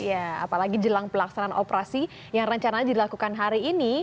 ya apalagi jelang pelaksanaan operasi yang rencananya dilakukan hari ini